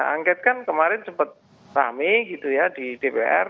angket kan kemarin sempat rame gitu ya di dpr